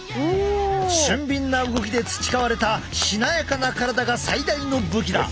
俊敏な動きで培われたしなやかな体が最大の武器だ。